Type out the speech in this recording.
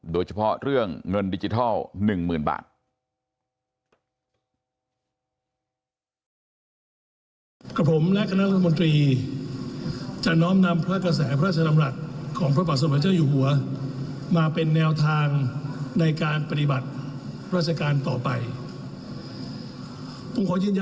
โดยเฉพาะเรื่องเงินดิจิทัล๑๐๐๐บาท